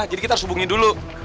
jadi kita harus hubungin dulu